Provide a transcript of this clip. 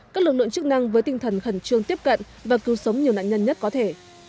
các lực lượng chức năng với tinh thần khẩn trương tiếp cận và cứu sống nhiều nạn nhân nhất có thể